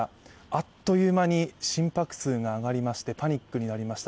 あっという間に心拍数が上がりまして、パニックになりました。